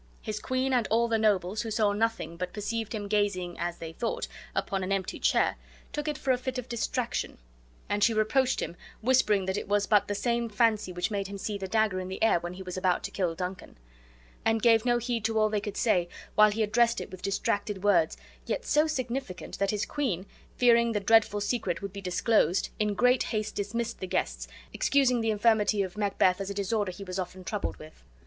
His queen and all the nobles, who saw nothing, but perceived him gazing (as they thought) upon an empty chair, took it for a fit of distraction; and she reproached him, whispering that it was but the same fancy which made him see the dagger in the air when he was about to kill Duncan. But Macbeth continued to see the ghost, and gave no heed to all they could say, while he addressed it with distracted words, yet so significant that his queen, fearing the dreadful secret would be disclosed, in great haste dismissed the guests, excusing the infirmity of Macbeth as disorder he was often troubled with.